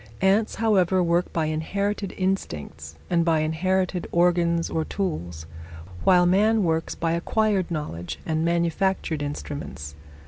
Ants, however, work by inherited instincts and by inherited organs or tools, while man works by acquired knowledge and manufactured instruments.